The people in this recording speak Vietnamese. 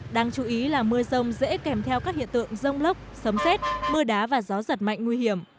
đáng chú ý là mưa rông dễ kèm theo các hiện tượng rông lốc sấm xét mưa đá và gió giật mạnh nguy hiểm